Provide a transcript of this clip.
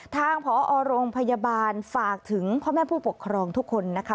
ทางผอโรงพยาบาลฝากถึงพ่อแม่ผู้ปกครองทุกคนนะคะ